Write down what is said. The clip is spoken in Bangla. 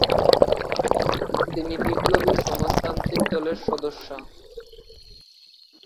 তিনি বিপ্লবী সমাজতান্ত্রিক দলের সদস্যা।